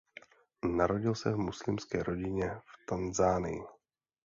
Narodil se v muslimské rodině v Tanzanii.